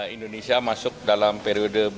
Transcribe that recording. indonesia masuk dalam periode